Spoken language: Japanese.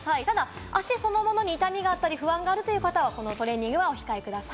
ただ足そのものに痛みがあったり、不安があるという方は、このトレーニングはお控えください。